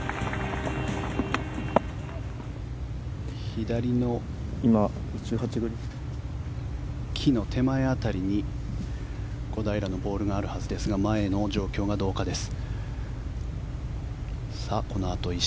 左の木の手前辺りに小平のボールがあるはずですが前の状況がどうかです。